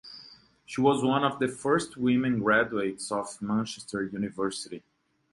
She was one of the first women graduates of Manchester University.